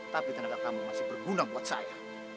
tapi tenaga kamu masih berguna buat saya